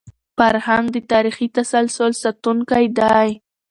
فرهنګ د تاریخي تسلسل ساتونکی دی.